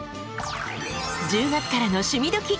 １０月からの「趣味どきっ！」